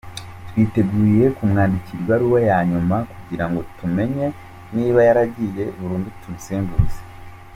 Twiteguye kumwandikira ibaruwa ya nyuma kugira ngo tumenye niba yaragiye burundu tumusimbuze.